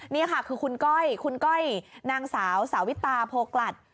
นี่ค่ะคือคุณก้อยคุณก้อยนางสาวสาวิตาโพกลัด